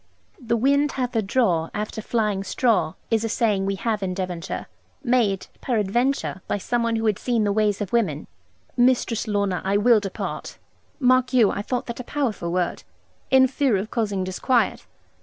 'The wind hath a draw after flying straw' is a saying we have in Devonshire, made, peradventure, by somebody who had seen the ways of women. 'Mistress Lorna, I will depart' mark you, I thought that a powerful word 'in fear of causing disquiet.